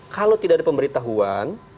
kalau tidak ada pemberitahuan